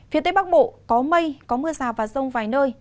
phía tây bắc bộ có mây có mưa rào và rông vài nơi